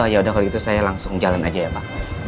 yaudah kalau gitu saya langsung jalan aja ya pak